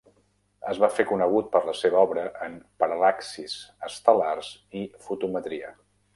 Es va fer conegut per la seva obra en paral·laxis estel·lars i fotometria.